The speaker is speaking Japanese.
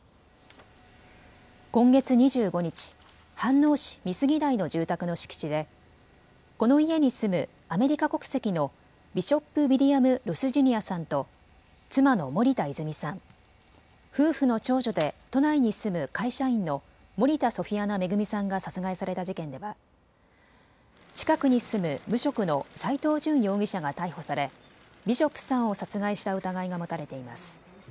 今月２５日、飯能市美杉台の住宅の敷地でこの家に住むアメリカ国籍のビショップ・ウィリアム・ロス・ジュニアさんと妻の森田泉さん、夫婦の長女で都内に住む会社員の森田ソフィアナ恵さんが殺害された事件では近くに住む無職の斎藤淳容疑者が逮捕され、ビショップさんを殺害した疑いが持たれています。